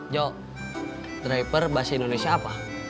jo driver bahasa indonesia apa